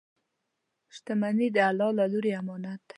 • شتمني د الله له لورې امانت دی.